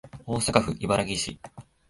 大阪府茨木市